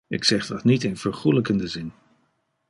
Ik zeg dat niet in vergoelijkende zin.